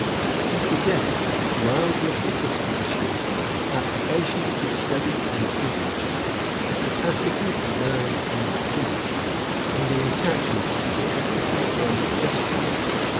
He possessed mildness of disposition, application to study and business, a capacity to learn and judge, and an attachment to equity and justice.